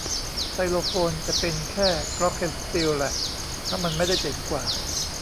ไซโลโฟนจะเป็นแค่กล็อคเคนสปิลแหละ ถ้ามันไม่ได้เจ๋งกว่า